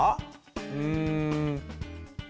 うん。